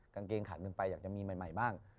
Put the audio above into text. กางเกงขาดเงินไปอยากจะมีใหม่บ้าง